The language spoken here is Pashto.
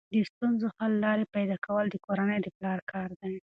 د ستونزو حل لارې پیدا کول د کورنۍ د پلار کار دی.